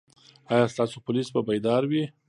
ایا ستاسو پولیس به بیدار وي؟